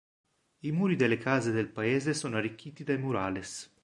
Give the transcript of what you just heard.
I muri delle case del paese sono arricchiti dai "murales".